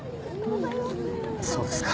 そうですか。